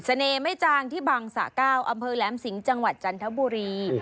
ไม่จางที่บังสะเก้าอำเภอแหลมสิงห์จังหวัดจันทบุรี